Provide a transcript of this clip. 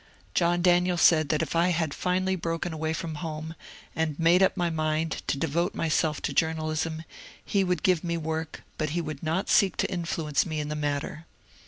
John Daniel said that if I had finally broken away from home, and made up my mind to devote myself to journalism, he would give me work, but he would not seek to influence me in the matter.